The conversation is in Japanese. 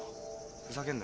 ふざけんなよ。